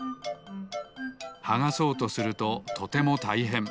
はがそうとするととてもたいへん。